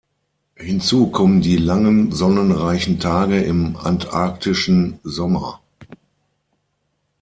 Hinzu kommen die langen sonnenreichen Tage im antarktischen Sommer.